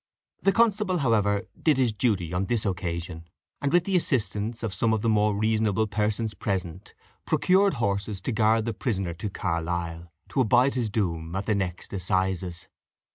The constable, however, did his duty on this occasion, and, with the assistance of some of the more reasonable persons present, procured horses to guard the prisoner to Carlisle, to abide his doom at the next assizes.